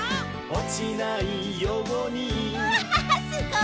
「おちないように」うわすごい！